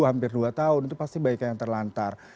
hampir dua tahun itu pasti banyak yang terlantar